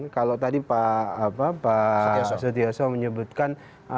kalau tadi pak setioso menyebutkan